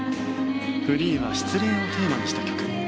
フリーは失恋をテーマにした曲。